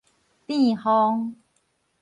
殿風